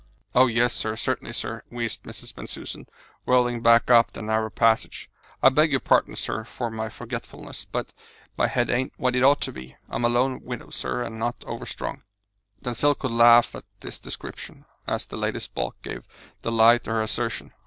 "Oh, yes, sir certainly, sir," wheezed Mrs. Bensusan, rolling back up the narrow passage. "I beg your pardon, sir, for my forgetfulness, but my head ain't what it ought to be. I'm a lone widow, sir, and not over strong." Denzil could have laughed at this description, as the lady's bulk gave the lie to her assertion.